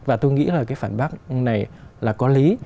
và tôi nghĩ là cái phản bác này là có lý